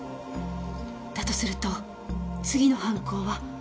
だとすると次の犯行は。